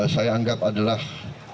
saya anggap adalah